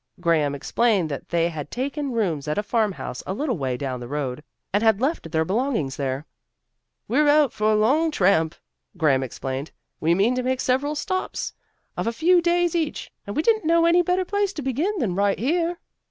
Graham explained that they had taken rooms at a farmhouse a little way down the road, and had left their belongings there. "We're out for a long tramp," Graham explained. "We mean to make several stops of a few days each, and we didn't know any better place to begin than right here."